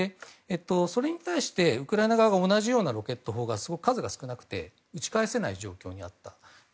それに対して、ウクライナ側が同じようなロケット砲がすごく数が少なくて撃ち返せない状況にあった。